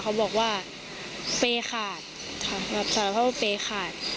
เขาบอกว่าเปรย์ขาดค่ะรับสายเพราะว่าเปรย์ขาด